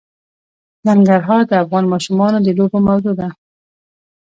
ننګرهار د افغان ماشومانو د لوبو موضوع ده.